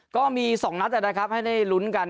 ก็มี๒นัดนะครับให้ได้ลุ้นกัน